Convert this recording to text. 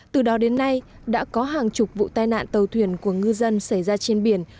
từ đó đến nay đã có hàng chục vụ tai nạn tàu thuyền của ngư dân xảy ra trên biển